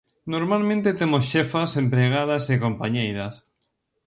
Normalmente temos xefas, empregadas e compañeiras...